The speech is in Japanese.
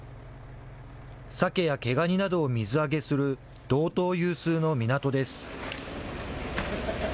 サケや毛ガニなどを水揚げする道東有数の港です。